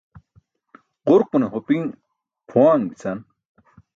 Ġurqune hopiṅ pʰuwaan bi̇can.